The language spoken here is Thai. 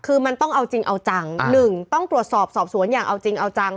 คือมันต้องเอาจริงเอาจังหนึ่งต้องตรวจสอบสอบสวนอย่างเอาจริงเอาจัง